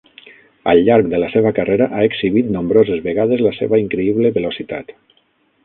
Al llarg de la seva carrera ha exhibit nombroses vegades la seva increïble velocitat.